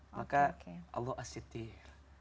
maka allah as sittir